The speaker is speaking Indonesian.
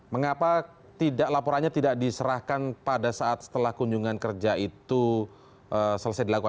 mengapa laporannya tidak diserahkan ke bppk